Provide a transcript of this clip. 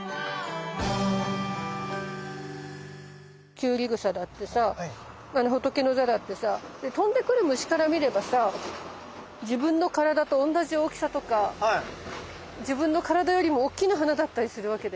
キュウリグサだってさホトケノザだってさ飛んでくる虫から見ればさ自分の体と同じ大きさとか自分の体よりもおっきな花だったりするわけだよね。